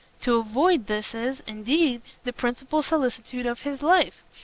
To avoid this is, indeed, the principal solicitude of his life.